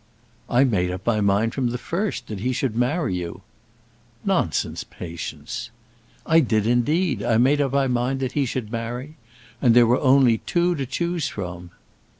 "I made up my mind from the first that he should marry you." "Nonsense, Patience." "I did, indeed. I made up my mind that he should marry; and there were only two to choose from."